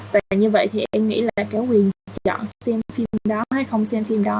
và như vậy thì em nghĩ là kéo quyền chọn xem phim đó hay không xem phim đó